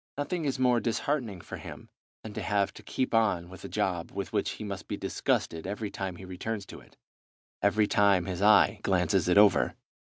Nothing is more disheartening for him than to have to keep on with a job with which he must be disgusted every time he returns to it, every time his eye glances it over.